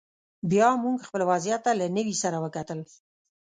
بیا موږ خپل وضعیت ته له نوي سره وکتل